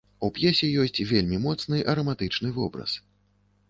У п'есе ёсць вельмі моцны араматычны вобраз.